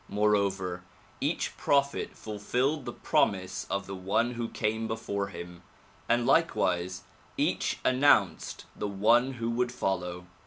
Moreover each prophet fulfilled the promise of the one who came before him and likewise each announced the one who would follow.